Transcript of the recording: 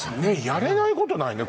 やれないことないね